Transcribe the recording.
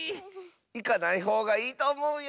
いかないほうがいいとおもうよ。